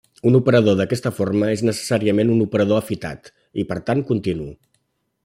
Un operador d'aquesta forma és necessàriament un operador afitat, i per tant continu.